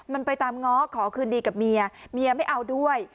มันไปตามง้อขอคืนดีกับเมียเมียไม่เอาด้วย